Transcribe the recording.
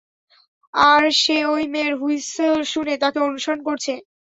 আর সে ওই মেয়ের হুঁইসেল শুনে তাকে অনুসরণ করছে।